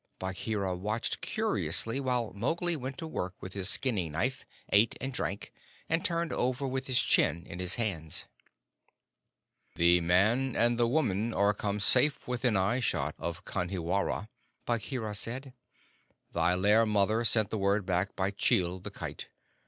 Bagheera watched curiously while Mowgli went to work with his skinning knife, ate and drank, and turned over with his chin in his hands. "The man and the woman are come safe within eye shot of Kanhiwara," Bagheera said. "Thy lair mother sent the word back by Chil, the Kite.